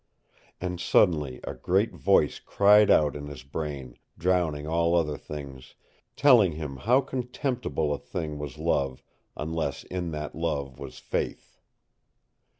And suddenly a great voice cried out in his brain, drowning all other things, telling him how contemptible a thing was love unless in that love was faith.